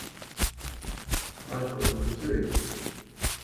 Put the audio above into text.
I thought of it too.